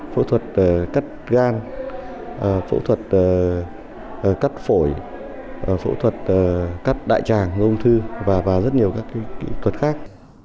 phẫu thuật cắt gan phẫu thuật cắt phổi phẫu thuật cắt đại tràng ung thư và rất nhiều các kỹ thuật khác